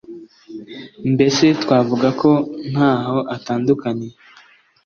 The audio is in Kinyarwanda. mbese twavuga ko ntaho atandukaniye